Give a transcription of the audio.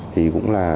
thì cũng là